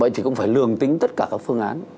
vậy thì cũng phải lường tính tất cả các phương án